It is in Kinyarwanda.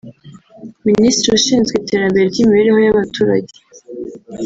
Minisitiri ushinzwe iterambere ry’imibereho y’abaturage